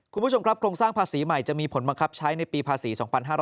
คลองสร้างภาษีใหม่จะมีผลบังคับใช้ในปีภาษี๒๕๖๐